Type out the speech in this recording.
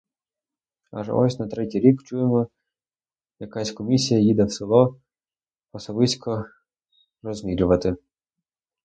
Аж ось на третій рік — чуємо, якась комісія їде в село, пасовисько розмірювати.